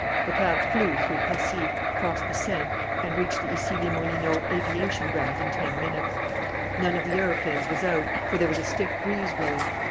The cab flew through Passy, crossed the Seine and reached the Issy les Moulineaux aviation ground in ten minutes. None of the aeroplanes was out, for there was a stiff breeze blowing.